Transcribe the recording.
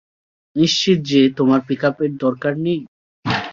নিশ্চিত যে তোমার পিকআপের দরকার নেই?